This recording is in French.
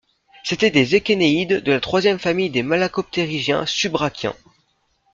C'étaient des échénéïdes, de la troisième famille des malacoptérygiens subbrachiens.